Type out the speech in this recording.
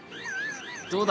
どうだ？